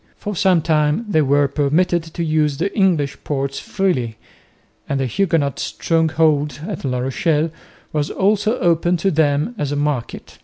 For some time they were permitted to use the English ports freely, and the Huguenot stronghold at La Rochelle was also open to them as a market.